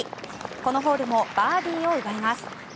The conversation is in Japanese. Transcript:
このホールもバーディーを奪います。